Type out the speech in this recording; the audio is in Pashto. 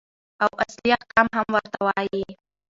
او اصلي احکام هم ورته وايي.